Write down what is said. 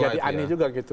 jadi aneh juga gitu